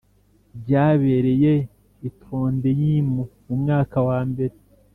ryabereye i Trondheim mu mwaka wa mbere